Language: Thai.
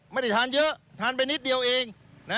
ไม่ได้ทานเยอะทานไปนิดเดียวเอง